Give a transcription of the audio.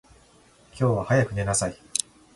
今日は早く寝なさい。